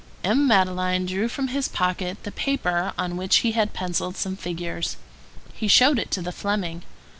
M. Madeleine drew from his pocket the paper on which he had pencilled some figures. He showed it to the Fleming.